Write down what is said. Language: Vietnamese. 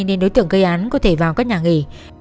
nên đối tượng gây án có thể vào các nhà nghỉ